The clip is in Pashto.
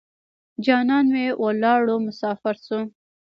جانان مې ولاړو مسافر شو.